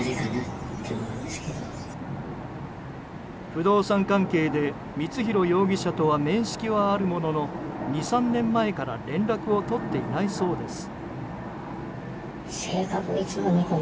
不動産関係で光弘容疑者とは面識はあるものの２３年前から連絡を取っていないそうです。